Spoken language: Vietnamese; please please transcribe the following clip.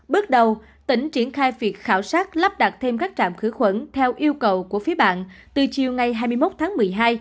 bước đầu tỉnh triển khai việc khảo sát lắp đặt thêm các trạm khử khuẩn theo yêu cầu của phía bạn từ chiều ngày hai mươi một tháng một mươi hai